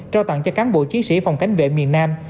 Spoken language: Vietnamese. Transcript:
trao tặng cho cán bộ chiến sĩ phòng cảnh vệ miền nam